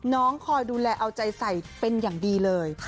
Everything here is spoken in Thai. คอยดูแลเอาใจใส่เป็นอย่างดีเลย